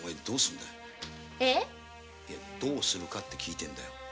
「どうするか」って聞いてるんだ。